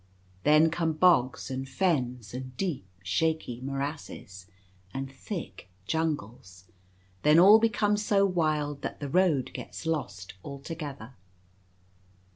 Then come bogs and fens and deep shaky morasses, and thick jungles. Then all becomes so wild that the road gets lost altogether.